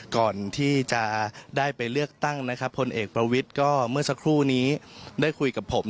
ก่อนที่จะได้ไปเลือกตั้งนะครับพลเอกประวิทย์ก็เมื่อสักครู่นี้ได้คุยกับผม